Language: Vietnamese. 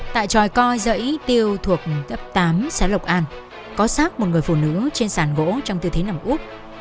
tại tròi coi dạy tiêu thuộc tập tám xã lộc an có sát một người phụ nữ trên sàn gỗ trong tư thế nằm úp